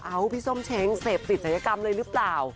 เอ้าพี่ส้มเช้งเสพสิทธิกรรมเลยรึเปล่า